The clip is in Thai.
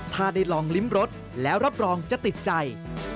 ถ้าได้ลองลิ้มรสแล้วรับรองจะติดใจ